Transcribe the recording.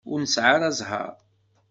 Ur nesɛi ara ẓẓher.